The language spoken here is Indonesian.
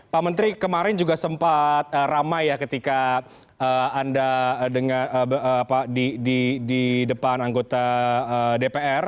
pak menteri kemarin juga sempat ramai ya ketika anda di depan anggota dpr